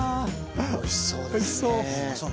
おいしそう。